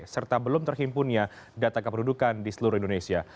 serta belum terhimpunnya data kependudukan di seluruh indonesia